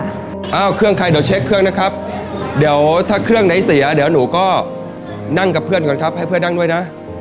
อ้าวเครื่องใครเดี๋ยวเช็คเครื่องนะครับเดี๋ยวถ้าเครื่องไหนเสียเดี๋ยวหนูก็นั่งกับเพื่อนก่อนครับให้เพื่อนนั่งด้วยนะ